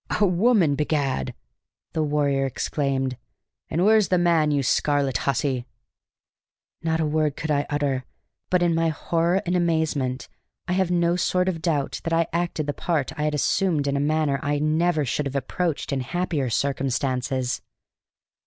"A woman, begad!" the warrior exclaimed. "And where's the man, you scarlet hussy?" Not a word could I utter. But, in my horror and my amazement, I have no sort of doubt that I acted the part I had assumed in a manner I never should have approached in happier circumstances.